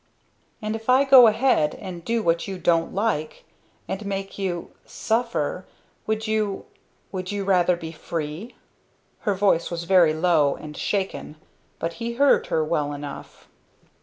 "And if I go ahead, and do what you don't like and make you suffer would you would you rather be free?" Her voice was very low and shaken, but he heard her well enough.